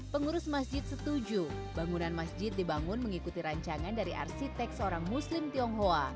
pengurus masjid setuju bangunan masjid dibangun mengikuti rancangan dari arsitek seorang muslim tionghoa